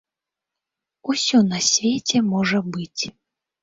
Усё на свеце можа быць.